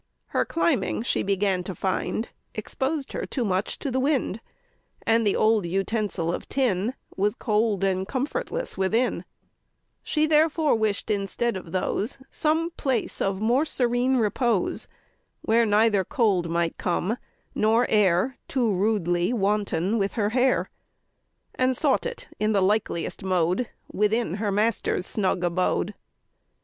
Her climbing, she began to find, Exposed her too much to the wind, And the old utensil of tin Was cold and comfortless within: She therefore wish'd instead of those Some place of more serene repose, Where neither cold might come, nor air Too rudely wanton with her hair, And sought it in the likeliest mode Within her master's snug abode.